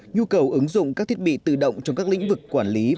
nhu cầu ứng dụng các thiết bị tự động trong các lĩnh vực quản lý